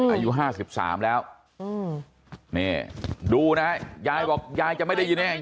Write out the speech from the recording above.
อายุ๕๓แล้วนี่ดูนะยายบอกยายจะไม่ได้ยินเอง